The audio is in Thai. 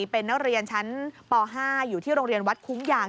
เป็นนักเรียนชั้นป๕อยู่ที่โรงเรียนวัดคุ้งยาง